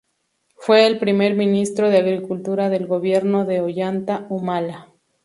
Fue el primer ministro de Agricultura del gobierno de Ollanta Humala.